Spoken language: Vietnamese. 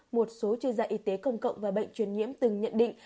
một số chuyên gia y tế công cộng và bệnh truyền nhiễm từng nhận định